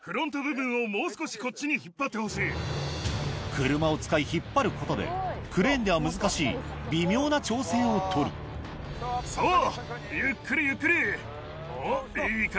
車を使い引っ張ることでクレーンでは難しい微妙な調整をとるそう。